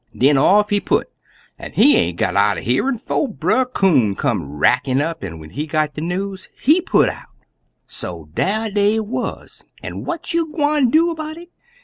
Den off he put, an' he aint got out'n hearin', 'fo' Brer Coon come rackin' up, an' when he got de news, he put out. "So dar dey wuz an' what you gwine do 'bout it?